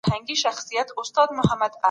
که واکمن پوړ نه وي د حکومت چاري نسي سمېدای.